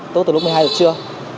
tốt từ lúc một mươi hai h trưa